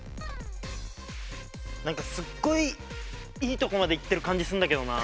何かすっごいいいとこまで行ってる感じすんだけどな。